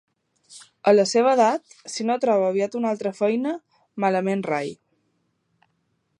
A la seva edat, si no troba aviat una altra feina, malament rai.